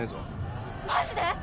マジで！？